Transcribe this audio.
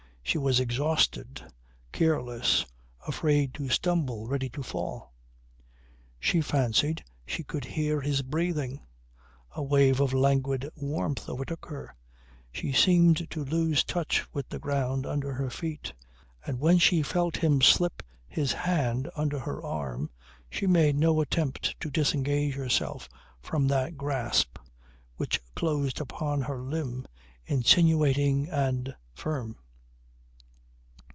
She was exhausted, careless, afraid to stumble, ready to fall. She fancied she could hear his breathing. A wave of languid warmth overtook her, she seemed to lose touch with the ground under her feet; and when she felt him slip his hand under her arm she made no attempt to disengage herself from that grasp which closed upon her limb, insinuating and firm.